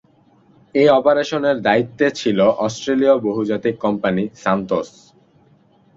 এর অপারেশনের দায়িত্বে ছিল অস্ট্রেলীয় বহুজাতিক কোম্পানি সান্তোস।